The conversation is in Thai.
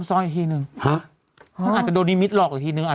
อาจโดนลิมมิตท์หลอกทีนึง